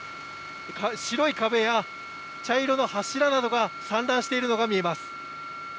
白い壁や茶色の柱などが散乱しているのが見えます。